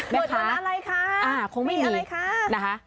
เปิดวันอะไรคะ